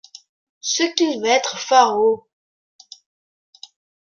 Ce qu'il va être faraud!